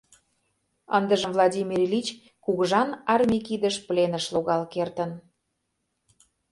Ындыжым Владимир Ильич кугыжан армий кидыш пленыш логал кертын.